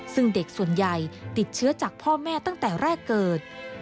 ซึ่งเด็กส่วนใหญ่ติดเชื้อจากพ่อแม่ตั้งแต่แรกเกิด